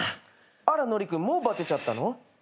あらノリ君もうバテちゃったの？